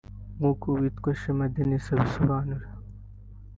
nk’uko uwitwa Shema Denise abisobanura